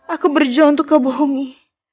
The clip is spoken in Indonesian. aku berjuang untuk kebohongan